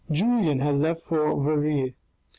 Julien had left for Verrieres.